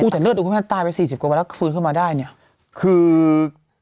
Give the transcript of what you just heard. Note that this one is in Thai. แต่เลือดของคุณแม่ตายไป๔๐กว่าวันแล้วฟื้นขึ้นมาได้เนี่ยคือ